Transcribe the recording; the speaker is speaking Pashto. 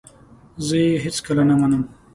زه یې هیڅکله نه منم !